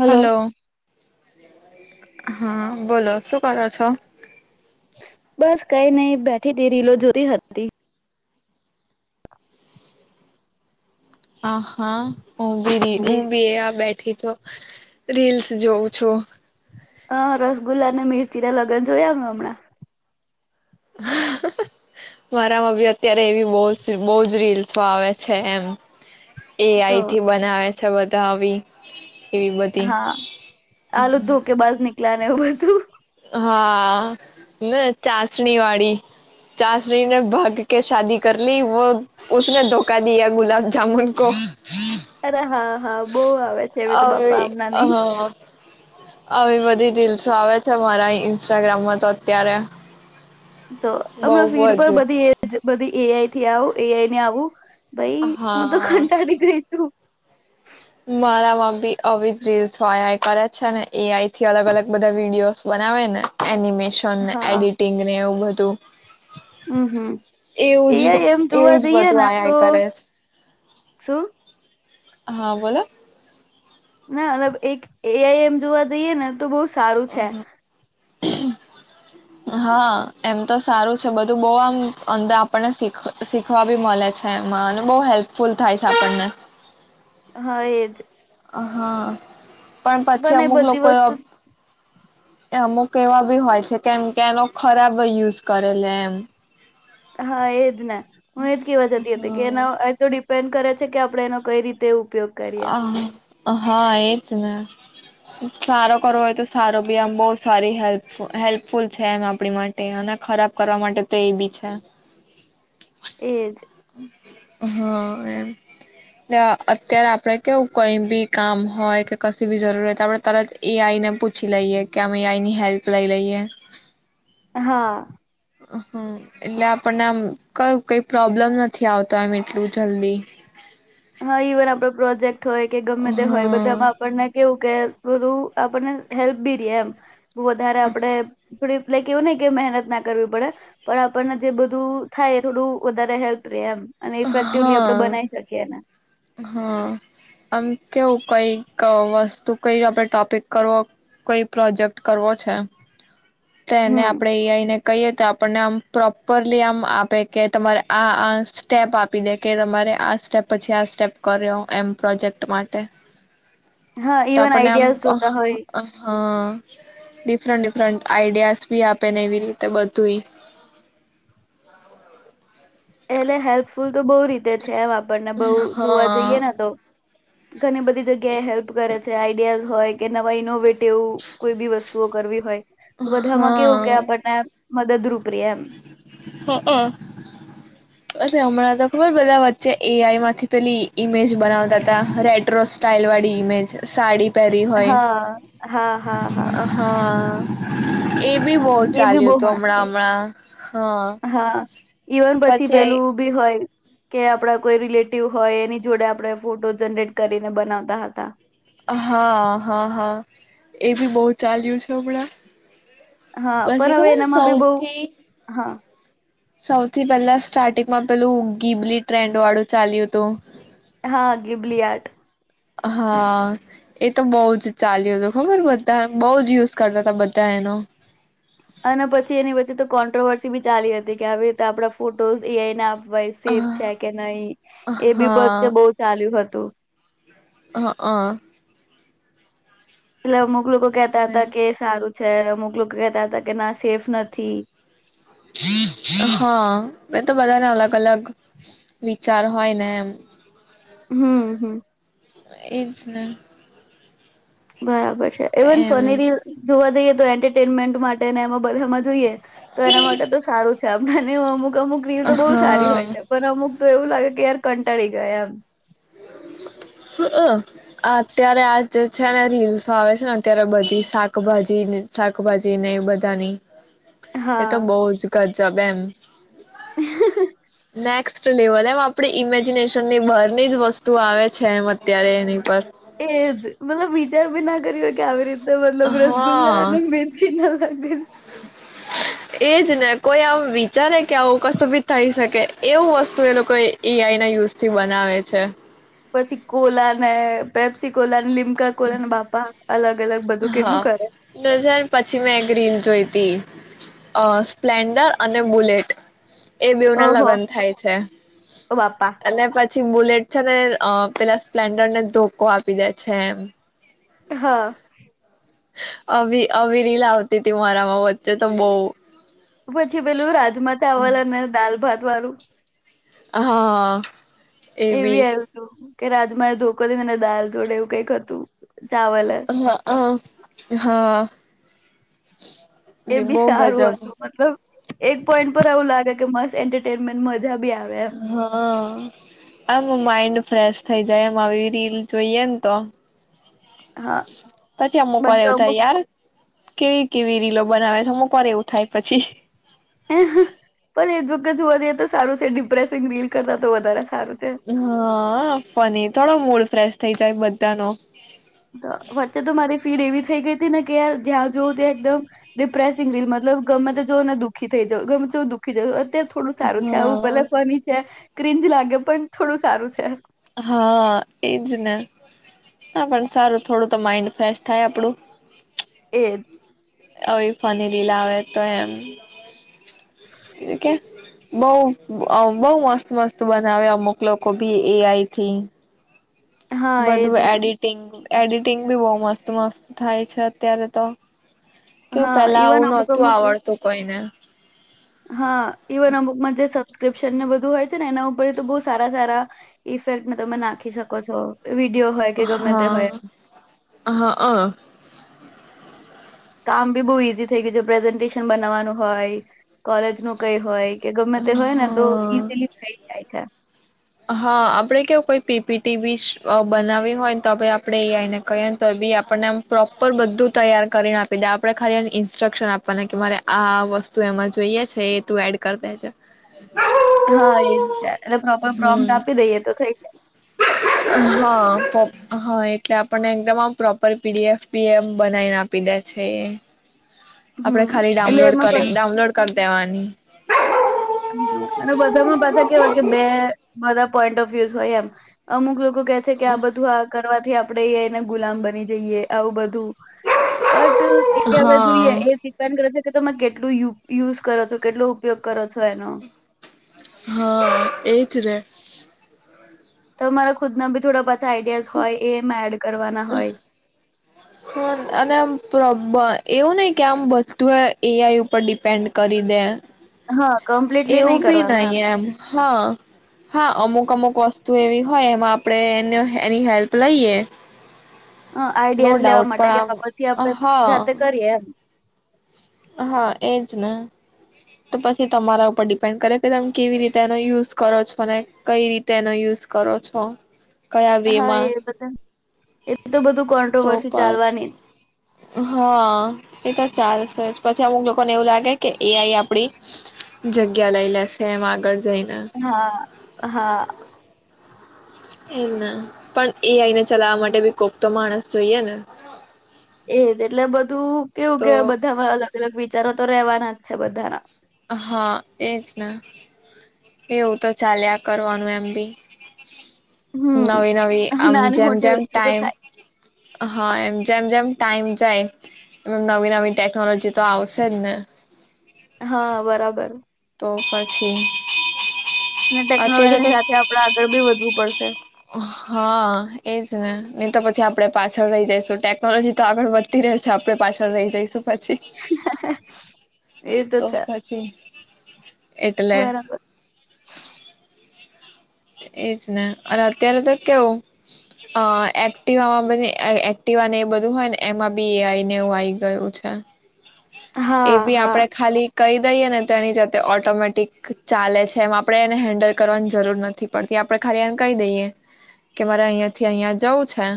Hello hello હા બોલો શું કરો છો બસ કઈ નહી બેઠી ત રીલો જોતી હતી આ હા ઉ બી રી ઉું બી એ આ બેઠી રીલ્સ જોઉં છું હ રસગુલ્લા અને મરચી ના લગ્ન જોયા હ હમણાં મારામાં બી અત્યારે એવી બ બો જ રીલ્સો આવે છે એમ એ તો આઈથી બનાવે અચછા બધા આવી એવી બધી હા આલુ ધોકે બાઝ નીક એટલા ને એવું બધું હા ના ચાશણી વાળી ચાશણીને ભાગ કે શાદી કરલી વને ધોખા દિયા ગુલાબ જામુન કો હા હા બહુ આવે છે એવી તો બાપા આવી હમનાં ની હા આવી બધી રીલ્સ આવે છે મારા ઇન્સ્ટાગ્રામમાં તો અત્યારે તો હમણાં બહુ ફીડ પર જ બધી એજ બધી એઆઈ થી આવો એઆઈ ને આવું ભાઈ હું તો હા કંટાળી ગય છું મારામાં આવી જ રીલ્સ હોય આઈ કરે છે ને એ આઈ થી અલગ અલગ બધા વિડીિયોસ બનાવે ને એનિમેટ નિમેશન ને હા એડિટિંગ ને એવું બધું તો હમ હમ એ આઇ એમ એવું જોવા જ દઈએ બધું ને આઈ આઈ તો કરે છે. શું? હા બોલો ના મતબ એક એઆઈ એમ જોવા જઈએ ને તો બઉ સારું છે. હા એમ તો સારું છે બધું બહુ આમ અંદર આપણનેીખ શીખવા બી મળે છે એમાં અને બહ હેલ્પફુલ થાય છે આપણને હ એ જ હહા પણ પછી એ અમુક બધી લોકો વસ્તુ એ અમુક એવા બી હોય છે કેમ કે એનો ખરાબ યુઝ કરે લ એમ હા એજ ના હું એજ કેવા જતી હતી કે હા એના એ તો ડિપેન્ડ કરેછ કે આપણે એનો કઈ રીતે ઉપયોગ કરીએ અ હા એજ ને સારો કરવો હોય તો સારો બી આમ બહ સારી હેલ્પ હેલ્પફુલ છે એમ આપણી માટે અને ખરાબ કરવા માટે તો એ બી છે. એજ હ એમ અત્યારે આપડે કેવું કઈ બી કામ હોય કે કશી બી જરૂરી હોય તો આપડણે તરત એ આઈને પૂછી લઈએ કે અમે એ આઈ ની હેલ્પ લઈ લઈએ. હા હમ એટલે આપણને આમ ક કઈ પ્રોબ્લેમ નથી આવતો એમ એટલું જલ્દી હા ઇવન આપડે પ્રોજેક્ટ હોય કે ગમે તે હોય હા બધામાં આપણને કેવું બધું આપણને હેલ્પ બી રે એમ બ વધારે આપડે થોડી કેવું નને કે મહેનત ના કરવી પડે પણ આપણને જે બધું થાય થોડું વધારે હેલ્પ રહેે એમ અને ઇફેક્ટિવલી આપડે હા બનાવી શકીએ એને હા આમ કેવું કઈક વસ્તુ કઈ આપણે ટોપિક કરવો કઈ પ્રોજેક્ટ કરવો છે. તો એને હમ આપડે એ આઈને કહીએ તો આપણને આમ પ્રોપરલી આમ આપે કે તમારે આ સ્ટેપ આપી દે કે તમારે આ સ્ટેપ પછી આ સ્ટેપ કર્યો એમ પ્રોજેક્ટ માટે હા ઇવન આઈડિયાઝ જોતા હોય હમ ડિફરન્ટ ડિફરન્ટ આઈડિયાસ ભી આપેને એવી રીતે બધું એટલે હેલ્પફુલ તો બહુ રીતે છે. છેમ આપણને બહુ જોવા જઈએ હા ને તો ઘણી બધી જગ્યા એ હેલ્પ કરે છે આઈડિયાઝ હોય કે નવા ઇનોવેટ તેવું કોઈ બી વસ્તુ ુ કરવી હોય બધામાં હા કેવું કે આપણને મદદરૂપ ર એમ બ હમણાં તો ખબર બધા વચ્ચે એ આઈમાંથી પેલી ઈમેજ બનાવતા હતા રેડ રોઝ સ્ટાલ વાળી ઇમેજ સાડી પરી હોય હા હા હા હા હા હ એ બી બહુ એ બી ચાલ્યું બહુ હતું હમણાં મસ્ત હમણાં હા હા ઇવન પછી પેલું બી હોય કે આપડા કોઈ રિલેટિવ હોય એની જોડે આપણે ફોટો જનરેટ કરીને બનાવતા હતા હા હા હા એ બી બહુ ચાલ્યું છે હમણાં હા પછી પણ હવે ખબર એનામાં બી બહ ઉ સૌથી હા સૌથી પેલા સ્ટાર્ટિંગમાં પેલું ગીબલી ટ્રેન્ડ વાળું ચાલ્યું હતું. હા ગિબલી આર્ટ હા એ તો બહુ જ ચાલ્યું હતું ખબર બધા બહ જ યુઝ કરતા હતાા બધા એનો અને પછી એની વચ્ચે તો કોન્ટ્રોવર્સી બી ચાલી હતી કે આવી રીતે આપડા ફોટોઝ એઆઈ ભાઈ સેફ છે કે નહીિ એ બી બધે હા બહુ ચાલ્યું હતું. તો હા હ એટલે અમુક લોકો કેહેતા હતા કે સારું છે અમુક લોકો કહેતા હતા કે ના સેફ નથી. એ તો બધાને અલગ અલગ વિચાર હોય ને એમ હમ હમ એછ ના બરાબર. એવન એમ ફનેરી જોવા જઈએ એન્ટરટેનમેન્ટ માટે ને એમાં બધામાં જોઈએ તો એના માટે તો સારું કને અમુક અમુક રીલ તો બહુ સારી હોય છે હા પણ અમુક તો એવું લાગે કે યાર કંટાળી ગયા એમ અત્યારે આ જે છે ને રીલ્સો આવે છે ને અત્યારે બધી શાકભાજી શાકભાજીને બધાની એ તો હા. બહુ જ ગ સબમ નેક્સ્ટ લેવલ એમ આપણે ઇમેજિનેશન ની બાર ની જ વસ્તુ વસ્તુ આવે છે એમ અત્યારે એની પર એજ મતલબ બીજ બ ના કરી કે આ આવી રીતે તો મતલબ રસગુલ્લા હા લ બેન કે ના લાગભન એજ ને કોઈ આમ વિચારે કે આવું કશું બી થઈ શકે એવું વસ્તુ એ લોકો એ આઈ ના યુઝ થી બનાવે છે. પછી કોલા ને પેપ્સી કોલા લ [unintelligible] કોલન બાપા અલગ અલગ બધું હા કેટલું કરે બે હજાર પછી મે ગ્રીન જોયું બી સ્પ્લેન્ડર અને બુલેટ એ બેવના ઓહો લગ્ન થાય છે ઓ બાપા અને પછી પછી બુલેટ છે ને પેલા સ્પ્લેન્ડર ને ધોકો આપી દે છે એ હા આ આવી રીલ્સ આવતી તી મારામાં વચ્ચે તો બો પછી પેલું રાજમા ચાવલ અને દાલ ભાત વારુ હા એ એવી બી આ કે રાજમા એ ધોકો દનેને દાલ જોડે એવું કઈક હતું ચાવલ હા હ હા એ બી બહુ સારું ગજબ હતું મતલબ એક પોઈન્ટ પર એવું લાગે મસ્ત એન્ટરટેનમેન્ટ મજા બી આવે એમ હા આમા માઇન્ડ ફ્રેશ થઈ જાય એમવી રીલ જોઈએ ને તો હા પછી અમુક એવું થાય યાર કેવી કેવી રીલો બનાવે છેઅમુક વાર એવું થાય પછી પણ એ જ વખત જોવા જઈએ તો સારું છે ડિપ્રેસિંગ ફીલ કરતા તો વધારે સારું છે. હા ફુન્ની થોડો મૂળ ફ્રેશ થઈ જાય બધાનો વચ્ચે તો મારી ફીલ એવી થઈ ગઈ હતી ને કે યાર જ્યાં જોવું ત્યાં એકદમ ડિપ્રેસિંગ ફીલ મતલબ ગમે તે જોઓ ને દુઃખી થઈ જાવ ગમે તે જોવ દુખી જ તે થોડું સારું છે આવું હા ભલે ફની છે ક્રિન્જ લાગે પણ થોડું સારું છે હા એજ ને હ પણ સારું થોડું તો માઈન્ડ ફ્રેશ થાય આપડું એજ અ ફની રીલ આવે તો એમ એ કે બઉ અ બોઉ મસ્ત મસ્ત બનાવે અમુક લોકો ભી એઆઈથી હા બધું એજ ને એડિટિંગ એડિટિંગ બી બહુ મસ્ત મસ્ત થાય છે અત્યારે તો કેવું હા પેલા ઇવન આવું અમુક નોતું અમુક આવડતું હોઈને હા ઇવન અમુકમાં જે સબસ્ક્રિપ્શન ને બધું હોય ને એના ઉપર તો બહ સારા સારા ઇફેક્ટ તમે નાખી શકો છો વિડીયો હોય કે ગમે તે હોય હા, હા, અ કામ બી બહુ ઈઝી થઈ ગયું છે, પ્રેઝન્ટેશન બનાવવાનું હોય કોલેજ નું કઈ હોય કે ગમે તે હ હોય ને તો ઈઝીલી થઇ જાય છે હા, આપડે કેવું કોઈ પીપીટી બી બનાવી હોયને તો હવે આપણેને એઆઈ કહીએને તો બી આપને આમ પ્રોપર બધું તૈયાર કરીને આપી દે આપણે ખાલી ઇન્સ્ટ્રક્શન આપવાના કે મારે આ વસ્તુ એમાં જોઈએ છે એ તું એડ કરી દે હા, એ જ હમ, હા હા, એટલે આપણને એકદમ પ્રોપર પીડીએફ પીએમ બનાવીને આપી દે છે એ આપડે હમ ખાલી એટલે ડાઉનલોડ એમાં પર કરી ડાઉનલોડ કરી દેવાની અને બધામાં પાછા કેવાય કે બે બધા પોઈન્ટ ઓફ વ્યુ હોય એમ અમુક લોકો કે છે કે આ બધું આ કરવા થી આપડે એને ગુલામ બની જઈએ આવું બધું બટ એ હવે જોઈએ હા એ ડિપેન્ડ કરે છે કે તમે કેટ કેટલું યુઝ કરો છો કેટલો ઉપયોગ કરો છ છનો [unintelligible] હા એજ રે તો મારા ખુદના બી થોડા [inaudible] જાઈડસ હોય એ મેડ હ [unintelligible] છે ન અને આમ પ્રબર એવું નઈ કે આમ બધું એ એઆઈ ઉપર ડિપેન્ડ કરી દે હા કમ્પ્લીટલી નહીં એવું બી કરવાનું નહી એમ હા, હા, અમુક અમુક અમુક વસ્તુ એવી હોય એમાં આપણે એને એની હેલ્પ લઈએ હ નો આઈડિયાઝ લેવા ડાઉટ માટે પણ કે પછી આપણે આમ જાતે હા કરીએ એમ હા, એજ ને તો પછી તમારા ઉપર ડિપેન્ડ કરે કે તમે કેવી રીતે એનો યુઝ કરો છો ને કઈ રીતે એનો યુઝ કરો છો કયા વે હા, માં એ બધા એ તો બધું તો કોન્ટ્રોવર્સી પછી ચાલવાની જ ચાલસે જ પછી અમુક લોકોને એવું લાગે કે એ આઈ આપડી જગ્યા લઈ લેશે એમ આગળ જઈને હા, હા ઇજ ને પણ એ આઈને ચલાવા માટે બી કોક તો માણસ જોઈએ ને એજ એટલે બધું કેવું તો કેવાય બધામાં અલ અલગ વિચારો તો રેવાના જ છે બધાના હા એજ ને એવું તો ચાલ્યા કરવાનું એમ બી હમ્મ. નવી નવી આમ નાની જેમ મોટી જેમ વસ્તુ તો ટાઈમ હ, હ, એમ જેમ જેમ ટાઈમ જાય એમ નવી નવી ટેકનોલોજી તો આવશે જ ને હા બરાબર તો પછી અને [inaudible] અત્યારે ટેકનોલોજીની તો સાથે આપડે આગળ બી વધવું પડશે. હા એજ ને તો પછી આપણે પાછળ રહી જઈશું. ટેકનોલોજી તો આગળ વધતી રહેશે. આપણે પાછળ રહી જઈશું. પછી એ તો છે પછી [inaudible] એટલે બરાબર એજ ને અને અત્યારે તો કેવું અ એક્ટિવામાં અ એક્ટિવાને એ બધું હોય ને એમાં બી એ આઈને એવું આઈ ગયું છે. એ હા બી હા. આપણે ખાલી કહી દઈએ ને તો એની જાતે ઓટોમેટિક ચાલે છે. એમ આપણે એને હેન્ડલ કરવાની જરૂર નથ થી પડતી આપડે ખાલી એને કહી દઈએ કે મારે અહિયાંથી અહીંયા જવું છે.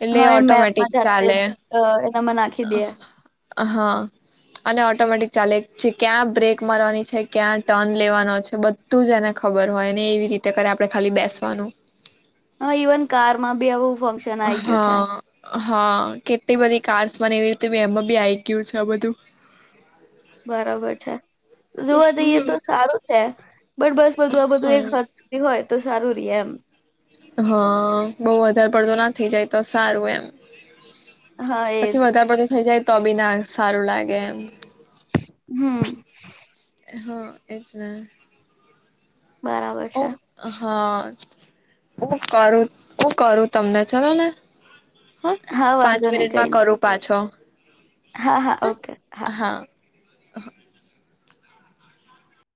એટલે હહ એ મેપમાં ઓટોમેટિક જાતે ચાલે જ અ એનામાં નાખી દેે. હા અને ઓટોમેટિક ચાલે છે ક્યાં બ્રેક મારવાની છે, ક્યાં ટર્ન લેવાનો છે બધું જ એને ખબર હોય ને એવી રીત તે કરે આપણે ખાલી બેસવાનું હહ ઈવન કારમાં બી એવું ફંક્શન આઈ ગયું છે હા હા કેટલી બધી કાર્સ એવી રીતે એમાં ભી આવી રીતના આવી ગયું છે બધું બરાબર છે જોવા જઈએ તો સારું સે બટ બસ બધું આ બધું એક હા હાથે હોય તો સારું રીએ એમ હા બો વધારે પડતો ના થઈ જાય તો સારું એમ હા પછી એજ વધારે પડ થઇ જાય તો બી ના સારું લાગે એમ હમ હ એજ ને બરાબર ઓ છે હા હું કરું હું કરું તમને ચાલો ને હા પાંચ વાંધો નહી કઈ મિનિટમાં નહી કરું પાછો હા હા ઓકે હા હ.